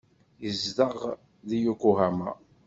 Yezdeɣ deg Yokohama.